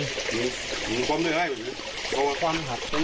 เหตุผลของชาย